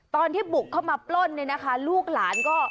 ตอนที่บุกเข้ามาปล้นเนี่ยนะคะลูกหลานก็